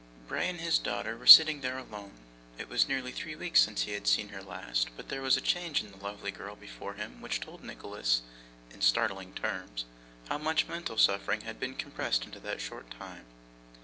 Bray and his daughter were sitting there alone. It was nearly three weeks since he had seen her last, but there was a change in the lovely girl before him which told Nicholas, in startling terms, how much mental suffering had been compressed into that short time.